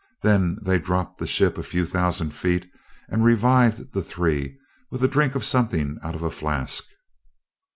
Then they dropped the ship a few thousand feet and revived the three with a drink of something out of a flask."